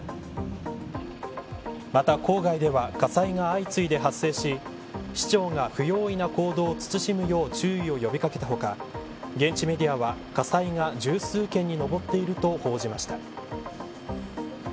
また郊外では火災が相次いで発生し市長が不用意な行動を慎むよう注意を呼び掛けた他現地メディアは火災が十数件に上っていると報じました。